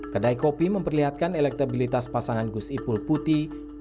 kedai kopi memperlihatkan elektabilitas pasangan gus ipul putih